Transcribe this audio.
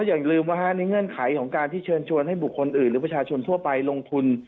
อย่าลืมว่าในเงื่อนไขของการที่เชิญชวนให้บุคคลอื่นหรือประชาชนทั่วไปลงทุน